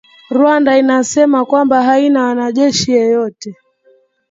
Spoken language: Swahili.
Rwanda inasema kwamba haina mwanajeshi yeyote